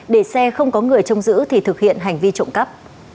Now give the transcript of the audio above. để xe không có người trông giữ thì thực hiện hành vi trộm cắp